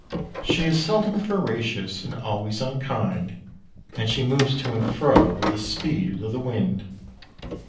She is seldom veracious, and always unkind, And she moves to and fro with the speed of the wind.